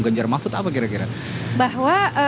ganjar mahfud apa kira kira bahwa